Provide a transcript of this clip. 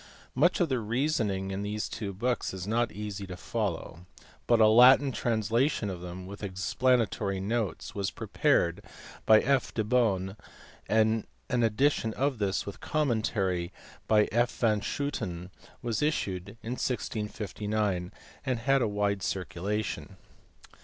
Much of the reasoning in these two books is not easy to follow ; but a Latin translation of them, with explanatory notes, was prepared by F. de Beaune, and an edition of this with a commentary by F. van Schooten was issued in 1659, and had a wide circulation. DESCARTES.